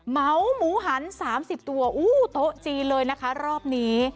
เหมาหมูหัน๓๐ตัวอู้โต๊ะจีนเลยนะคะรอบนี้